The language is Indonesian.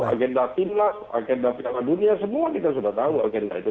agenda timnas agenda piala dunia semua kita sudah tahu agenda itu